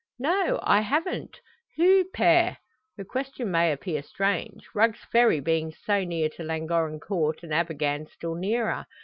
"No, I haven't. Who Pere?" Her question may appear strange, Rugg's Ferry being so near to Llangorren Court and Abergann still nearer.